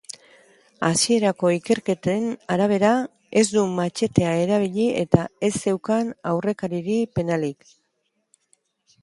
Hasierako ikerketen arabera, ez du matxetea erabili eta ez zeukan aurrekariri penalik.